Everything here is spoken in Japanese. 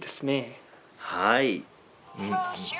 はい。